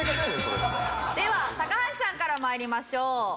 では高橋さんから参りましょう。